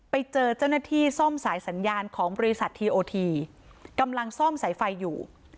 ไปเจอเจ้าหน้าที่ซ่อมสายสัญญาณของบริษัททีโอทีกำลังซ่อมสายไฟอยู่